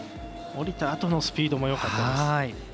降りたあとのスピードもよかったです。